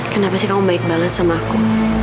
kenapa sih kamu baik banget sama aku